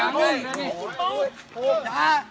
พ่อหนูเป็นใคร